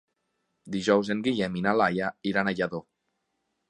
Dijous en Guillem i na Laia iran a Lladó.